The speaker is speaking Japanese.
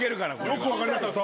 よく分かりましたね